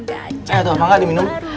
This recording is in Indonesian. eh atau apa enggak di minum